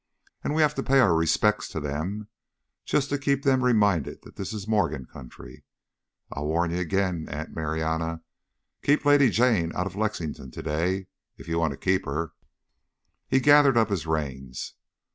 And we have to pay our respects to them, just to keep them reminded that this is Morgan country. I'll warn you again, Aunt Marianna, keep Lady Jane out of Lexington today if you want to keep her." He gathered up his reins.